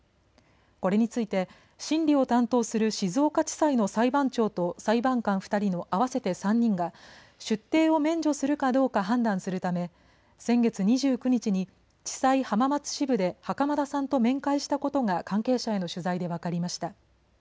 これについて審理を担当する静岡地裁の裁判長と裁判官２人の合わせて３人が出廷を免除するかどうか判断するため先月２９日に地裁浜松支部で袴田さんと面会したことが関係者への取材で分かりました。